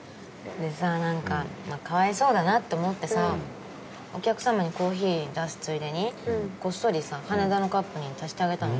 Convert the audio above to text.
でさ何かかわいそうだなって思ってさお客様にコーヒー出すついでにこっそりさ羽田のカップに足してあげたの。